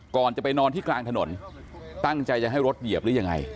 ก่อนจะไปนอนที่กลางถนนตั้งใจจะให้รถเหยียบหรือยังไง